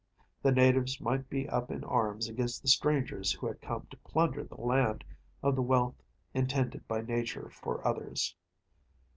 The natives might be up in arms against the strangers who had come to plunder the land of the wealth intended by nature for others.